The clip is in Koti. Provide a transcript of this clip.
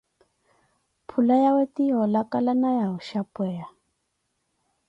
Phula yawe ti yoolakala na wooxapeya.